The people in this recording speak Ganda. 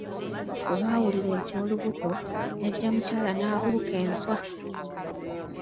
Olwawulira eky'olubuto, jjajja mukyala n'abuuka enswa!